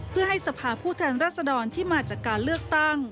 เพื่อให้สภาพผู้แทนรัศดรที่มาจากการเลือกตั้ง